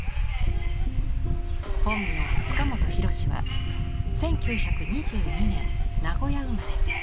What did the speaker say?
本名塚本廣は１９２２年名古屋生まれ。